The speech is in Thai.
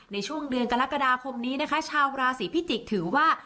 ในช่วงเดือนกรกฎาคมนี้นะคะชาวราศีพิจิกษ์ถือว่า